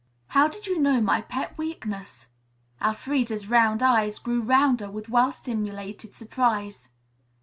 "How did you know my pet weakness?" Elfreda's round eyes grew rounder with well simulated surprise.